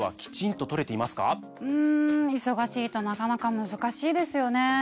うん忙しいとなかなか難しいですよね。